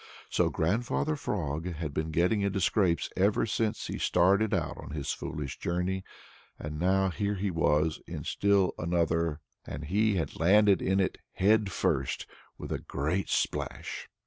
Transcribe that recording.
So Grandfather Frog had been getting into scrapes ever since he started out on his foolish journey, and now here he was in still another, and he had landed in it head first, with a great splash.